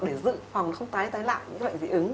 để dự phòng không tái đi tái lại những cái bệnh dị ứng